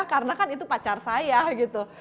karena kan itu pacar saya gitu